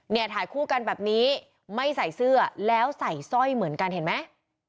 เนี่ยถ่ายคู่กันแบบนี้ไม่ใส่เสื้อแล้วใส่สร้อยเหมือนกันเห็นไหม